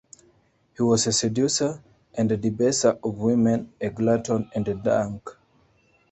He was a seducer and a debaser of women, a glutton and a drunk.